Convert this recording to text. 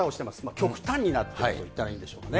極端になっていると言ったらいいんでしょうかね。